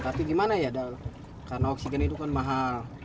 tapi gimana ya karena oksigen itu kan mahal